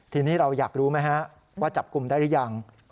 ทีนี้เราอยากรู้ไหมฮะว่าจับกลุ่มได้หรือยัง